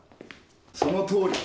そのとおり。